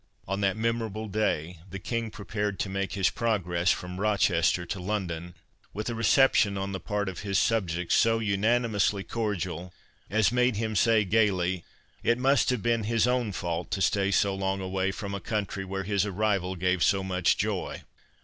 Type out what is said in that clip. On that memorable day, the King prepared to make his progress from Rochester to London, with a reception on the part of his subjects so unanimously cordial, as made him say gaily, it must have been his own fault to stay so long away from a country where his arrival gave so much joy.